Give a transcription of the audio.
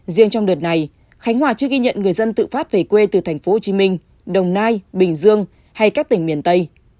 riêng trong đợt này khánh hòa chưa ghi nhận người dân tự phát về quê từ thành phố hồ chí minh đồng nai bình dương hay các tỉnh miền tây